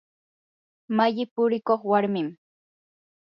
malli purikuq warmim.